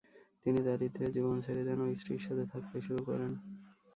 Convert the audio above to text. তিনি দারিদ্র্যের জীবন ছেড়ে দেন ও স্ত্রীর সাথে থাকতে শুরু করেন।